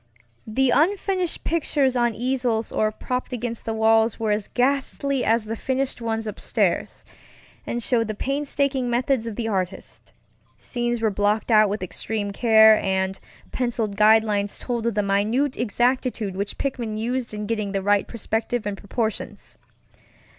The unfinished pictures on easels or propped against the walls were as ghastly as the finished ones upstairs, and showed the painstaking methods of the artist. Scenes were blocked out with extreme care, and penciled guide lines told of the minute exactitude which Pickman used in getting the right perspective and proportions.